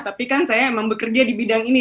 tapi kan saya emang bekerja di bidang ini